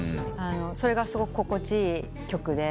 それがすごく心地いい曲で。